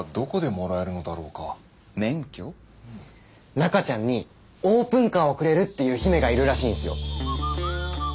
中ちゃんにオープンカーをくれるっていう姫がいるらしいんすよ。